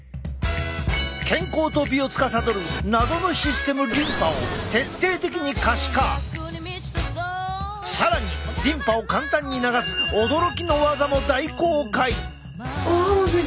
健康と美をつかさどる謎のシステムリンパを更にリンパを簡単に流す驚きのワザも大公開！